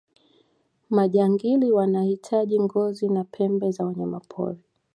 majangili wanahitaji ngozi na pembe za wanyamapori